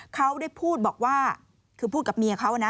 เขาได้พูดบอกว่าคือพูดกับเมียเขานะ